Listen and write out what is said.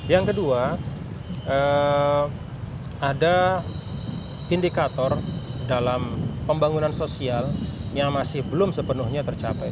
yang kedua ada indikator dalam pembangunan sosial yang masih belum sepenuhnya tercapai